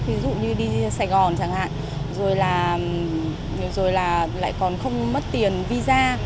ví dụ như đi sài gòn chẳng hạn rồi là lại còn không mất tiền visa